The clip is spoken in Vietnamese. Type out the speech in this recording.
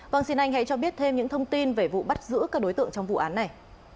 vâng xin anh hãy cho biết thêm những thông tin về vụ bắt giữ các đối tượng trong vụ án này